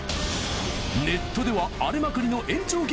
ネットでは荒れまくりのどこ？